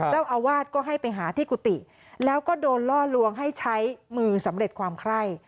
เจ้าอาวาสก็ให้ไปหาที่กุฏิแล้วก็โดนล่อลวงให้ใช้มือสำเร็จความไคร่